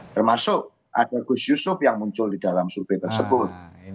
termasuk ada gus yusuf yang muncul di dalam survei tersebut